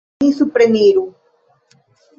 Ni supreniru!